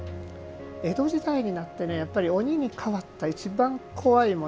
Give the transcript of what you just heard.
江戸時代になって鬼に代わった一番怖いもの